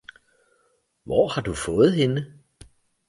Hvor har du fået hende?